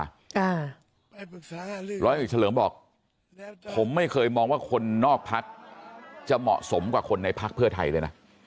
อ่าร้อยเอกเฉลิมบอกผมไม่เคยมองว่าคนนอกพักจะเหมาะสมกว่าคนในพักเพื่อไทยเลยนะ